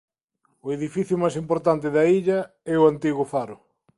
O edificio máis importante da illa é o antigo faro.